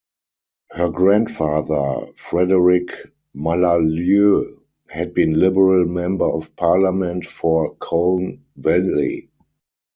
Her grandfather, Frederick Mallalieu, had been Liberal Member of Parliament for Colne Valley.